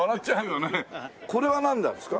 これはなんですか？